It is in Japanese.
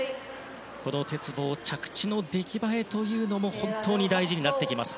鉄棒は着地の出来栄えも本当に大事になってきます。